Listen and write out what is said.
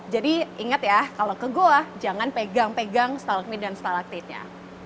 jadi ingat ya kalau ke goa jangan pegang pegang stalagmit dan stalaktitnya